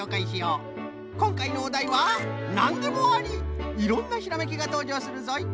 こんかいのおだいはいろんなひらめきがとうじょうするぞい。